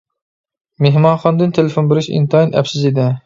مېھمانخانىدىن تېلېفون بېرىش ئىنتايىن ئەپسىز ئىدى.